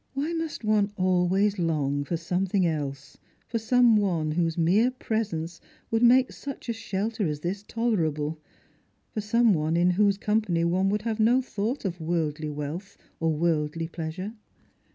" Why must one always long for something else, for some one whose mere presence would make such a shelter as this tolerable, for some one in whose company one would have no thought of worldly wealth or worldly pleasure